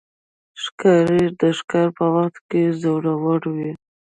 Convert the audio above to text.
ښکاري د ښکار په وخت کې زړور وي.